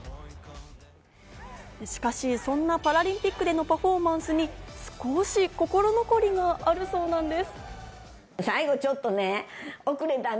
しかし、そんなパラリンピックでのパフォーマンスに少し心残りがあるそうなんです。